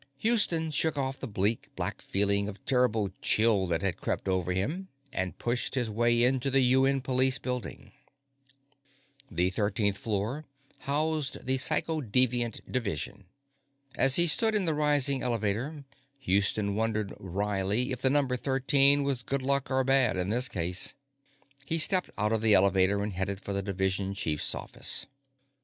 Houston shook off the bleak, black feeling of terrible chill that had crept over him and pushed his way into the UN Police building. The thirteenth floor housed the Psychodeviant Division. As he stood in the rising elevator, Houston wondered wryly if the number 13 was good luck or bad in this case. He stepped out of the elevator and headed for the Division Chief's office.